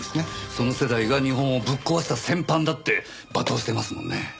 その世代が日本をぶっ壊した戦犯だって罵倒してますもんね。